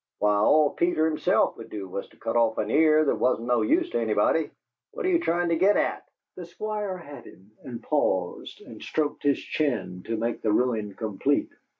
Why, all Peter himself could do was to cut off an ear that wasn't no use to anybody. What are you tryin' to get AT?" The Squire had him; and paused, and stroked his chin, to make the ruin complete.